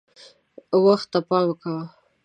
وخت ته پام کوه .